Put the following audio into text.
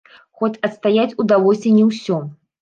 Хоць адстаяць удалося не ўсё.